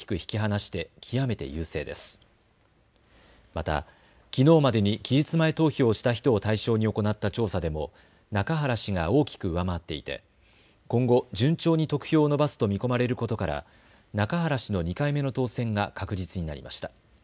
またきのうまでに期日前投票をした人を対象に行った調査でも中原氏が大きく上回っていて今後、順調に得票を伸ばすと見込まれることから中原氏の２回目の当選が確実になりました。